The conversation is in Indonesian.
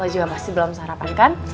lo juga pasti belum sarapan kan